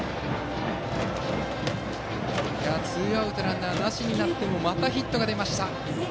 ツーアウトランナーなしになってもまたヒットが出ました。